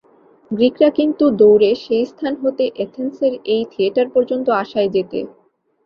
গ্রীকরা কিন্তু দৌড়ে সে স্থান হতে এথেন্সের এই থিয়েটার পর্যন্ত আসায় জেতে।